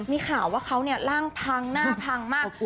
มีข่าวว่าเขาเนี่ยร่างพังหน้าพังมาก